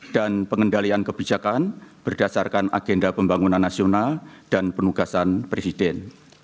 dan pengendalian kebijakan berdasarkan agenda pembangunan nasional dan penugasan presiden